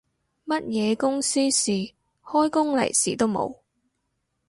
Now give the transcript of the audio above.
乜嘢公司事，開工利是都冇